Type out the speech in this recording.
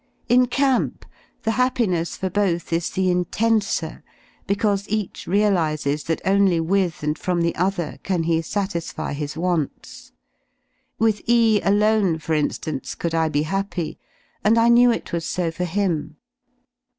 In camp the happiness for \i>^ / both is the intenser because each realises that only with and j from the other can he satisfy his wants; with E alone, for i nuance, could I be happy, and I knew it was so for him.